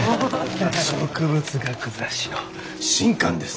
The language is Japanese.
植物学雑誌の新刊です。